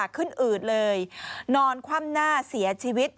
อืดเลยนอนคว่ำหน้าเสียชีวิต